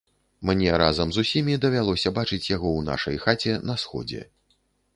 Мне разам з усімі давялося бачыць яго ў нашай хаце на сходзе.